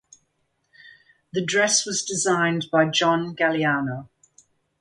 The dress was designed by John Galliano.